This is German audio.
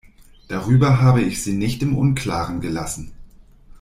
Darüber habe ich sie nicht im Unklaren gelassen.